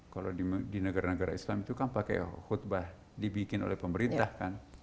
kalau di negara negara islam itu kan pakai khutbah dibikin oleh pemerintah kan